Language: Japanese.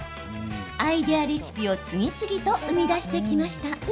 アイデアレシピを次々と生み出してきました。